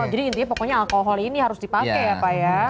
jadi intinya pokoknya alkohol ini harus dipakai ya pak ya